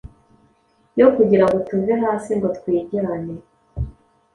yo kugira ngo tuve hasi ngo twijyane".